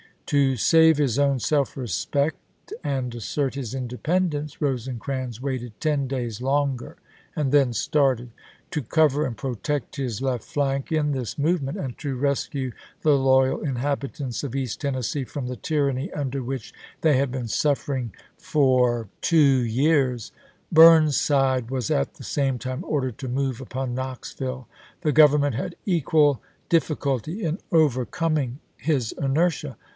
To save his own self respect rad. and assert his independence, Rosecrans waited ten days longer, and then started. To cover and pro tect his left flank in this movement, and to rescue the loyal inhabitants of East Tennessee from the tyranny under which they had been suffering for 68 ABRAHAM LINCOLN 1 THE MAKCH TO CHATTANOOGA 69 70 ABKAHAM LINCOLN Chap. III. two years, Burnside was at the same time ordered to move upon Knoxville. The Government had equal difficulty in overcoming his inertia.